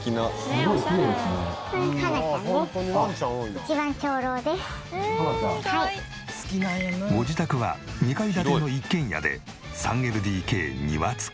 ご自宅は２階建ての一軒家で３ＬＤＫ庭付き。